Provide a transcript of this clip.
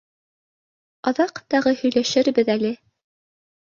Аҙаҡ тағы һөйләшербеҙ әле.